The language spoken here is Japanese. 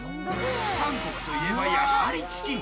韓国といえばやはりチキン。